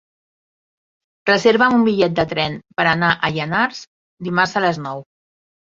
Reserva'm un bitllet de tren per anar a Llanars dimarts a les nou.